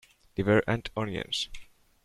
Liver and onions.